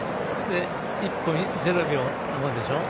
１分０秒でしょ。